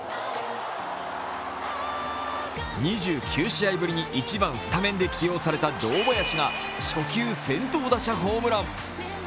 ２９試合ぶりに１番・スタメンで起用された堂林が初球、先頭打者初球ホームラン。